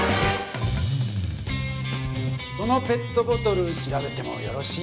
そのペットボトル調べてもよろしいですか？